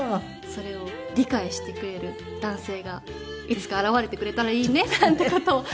それを理解してくれる男性がいつか現れてくれたらいいねなんて事を。